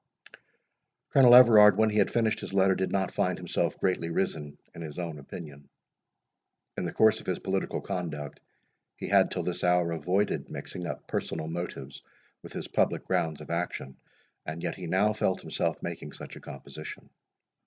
Colonel Everard, when he had finished his letter, did not find himself greatly risen in his own opinion. In the course of his political conduct, he had till this hour avoided mixing up personal motives with his public grounds of action, and yet he now felt himself making such a composition.